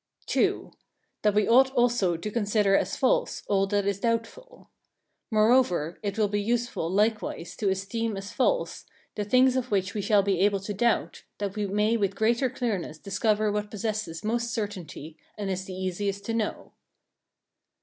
II. That we ought also to consider as false all that is doubtful. Moreover, it will be useful likewise to esteem as false the things of which we shall be able to doubt, that we may with greater clearness discover what possesses most certainty and is the easiest to know.